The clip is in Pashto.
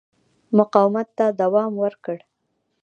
مقاومت ته دوام ورکړ.